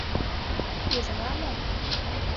Ӱжара мо?